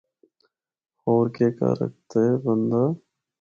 ہور کے کر ہکدے بندہ۔